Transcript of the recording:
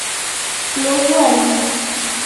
Kulow'ua lihi?